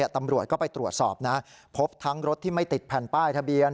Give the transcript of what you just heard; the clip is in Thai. ตำรวจก็ไปตรวจสอบนะพบทั้งรถที่ไม่ติดแผ่นป้ายทะเบียน